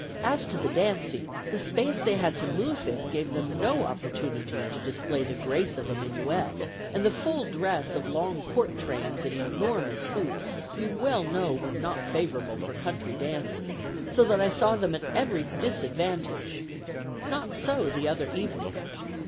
As to the dancing, the space they had to move in gave them no opportunity to display the grace of a minuet, and the full dress of long court trains and enormous hoops, you well know were not favorable for country dances, so that I saw them at every disadvantage; not so the other evening.